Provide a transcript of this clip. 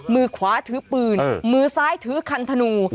มือขวาถือปืนมือซ้ายถือคันธนู